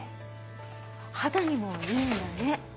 肌にもいいんだね。